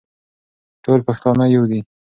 ټول پښتانه يو دي.